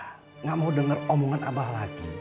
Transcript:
kemal gak mau denger omongan abah lagi